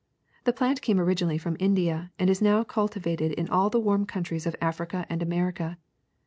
The plant came originally from India and is now cultivated in all the warm countries of Africa and America.